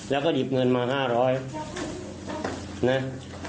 แล้วก็หยิบเงินมา๕๐๐นะ